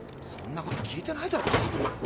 そんなこと聞いてないだろ。